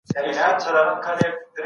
د مقام سپېڅلتیا سمه نه وه درک شوې.